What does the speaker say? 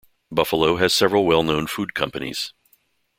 Buffalo has several well-known food companies.